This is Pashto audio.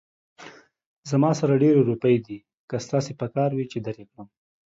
زما سره ډېرې روپۍ دي، که ستاسې پکار وي، چې در يې کړم